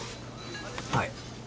はい。